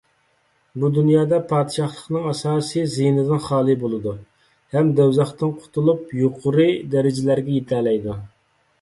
بۇ دۇنيادا پادىشاھلىقنىڭ ئاساسىي زىيىنىدىن خالىي بولىدۇ ھەم دوزاختىن قۇتۇلۇپ يۇقىرى دەرىجىلەرگە يېتەلەيدۇ.